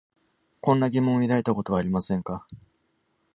こんな疑問を抱いたことはありませんか？